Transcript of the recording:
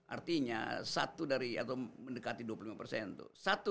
artinya satu dari atau mendekati dua puluh lima persen itu